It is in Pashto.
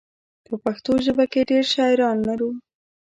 په پښتو ژبه کې ډېر شاعران لرو.